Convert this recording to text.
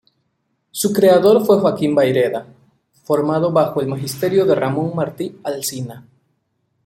Su creador fue Joaquim Vayreda, formado bajo el magisterio de Ramón Martí Alsina.